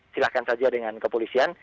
silahkan saja dengan kepolisian